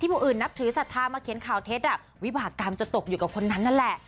ผู้อื่นนับถือศรัทธามาเขียนข่าวเท็จวิบากรรมจะตกอยู่กับคนนั้นนั่นแหละ